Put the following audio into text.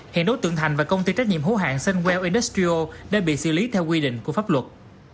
hiện đối tượng thành và công ty trách nhiệm hữu hạng sunwell industrial đã bị xử lý theo quy định của pháp luật